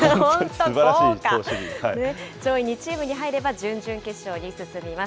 豪華、上位２チームに入れば、準々決勝に進みます。